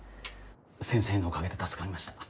先生のおかげで助かりました。